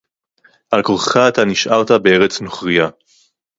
עַל כָּרְחֲךָ אַתָּה נִשְׁאַרְתָּ בְּאֶרֶץ נָכְרִיָּה